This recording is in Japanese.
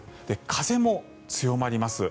風も強まります。